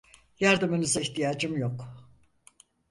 Yardımınıza ihtiyacım yok.